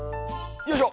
よいしょ！